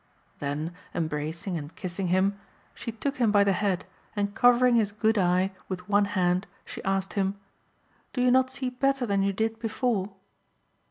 Then, embracing and kissing him, she took him by the head and covering his good eye with one hand, she asked him "Do you not see better than you did before?"